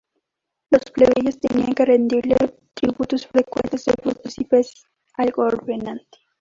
Los plebeyos tenían que rendirle tributos frecuentes de frutas y peces al gobernante.